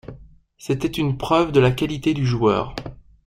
C'était une preuve de la qualité du joueur.